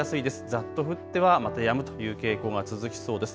ざっと降ってはまたやむという傾向が続きそうです。